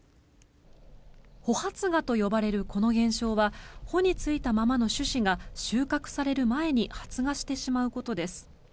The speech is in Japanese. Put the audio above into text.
穂発芽と呼ばれるこの現象は穂についたままの種子が収穫される前に発芽してしまうことです。